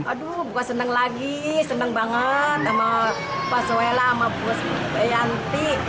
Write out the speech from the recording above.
aduh gue seneng lagi seneng banget sama pak soela sama pak yanti